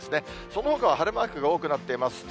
そのほかは、晴れマークが多くなっています。